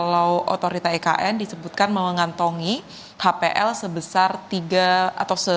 lalu photons yang saja di sasar putri being a familiar gotten